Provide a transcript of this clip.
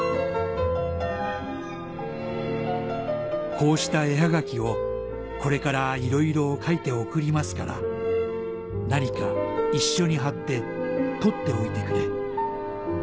「こうした絵はがきをこれからいろいろ書いて送りますから何か一緒に貼って取っておいてくれ」